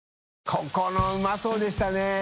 ここのうまそうでしたね。